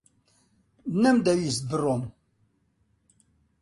نەمدەویست بڕۆم.